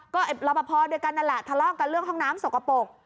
ก็รอปภด้วยกันนั่นแหละทะเลาะกันเรื่องห้องน้ำสกปรก